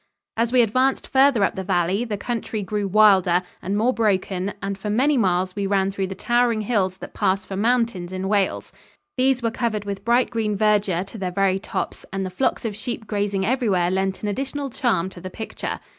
As we advanced farther up the valley, the country grew wilder and more broken and for many miles we ran through the towering hills that pass for mountains in Wales. These were covered with bright green verdure to their very tops, and the flocks of sheep grazing everywhere lent an additional charm to the picture.